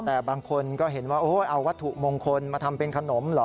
แต่บางคนก็เห็นว่าเอาวัตถุมงคลมาทำเป็นขนมเหรอ